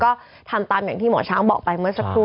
ก็ทำตามอย่างที่หมอช้างบอกไปเมื่อสักครู่